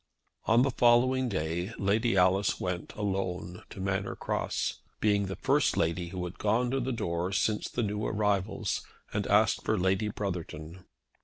On the following day Lady Alice went alone to Manor Cross, being the first lady who had gone to the door since the new arrivals, and asked for Lady Brotherton.